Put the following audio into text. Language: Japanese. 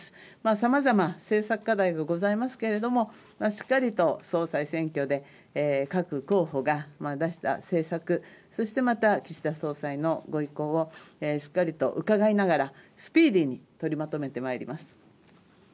さまざま政策課題もございますけれどもしっかりと総裁選挙で各候補が出した政策そしてまた、岸田総裁のご意向をしっかりと伺いながらスピーディーに取りまとめてまいります。